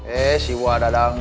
eh siapa itu